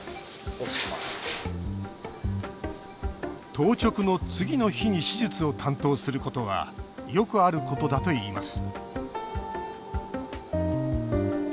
当直の次の日に手術を担当することはよくあることだといいます